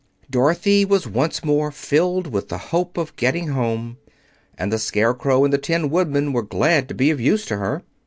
Dorothy was once more filled with the hope of getting home, and the Scarecrow and the Tin Woodman were glad to be of use to her.